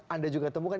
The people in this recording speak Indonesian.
anda juga temukan